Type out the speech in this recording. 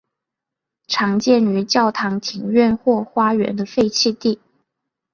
常见于教堂庭院或花园的废弃地。